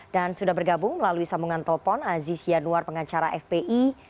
dan sudah bergabung melalui sambungan telpon aziz yanuar pengacara fpi